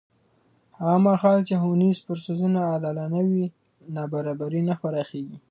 هغه مهال چې ښوونیز فرصتونه عادلانه وي، نابرابري نه پراخېږي.